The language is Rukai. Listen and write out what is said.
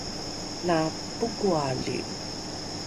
la pokoali?